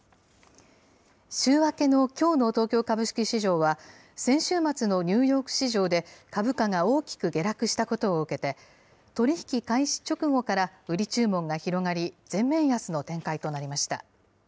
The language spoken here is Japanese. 週明けのきょうの東京株式市場は、先週末のニューヨーク市場で株価が大きく下落したことを受けて、取り引き開始直後から売り注文が広がり、全面安の展開となりました。